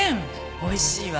おいしいわ。